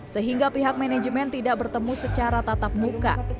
sehingga pihak manajemen tidak bertemu secara tatap muka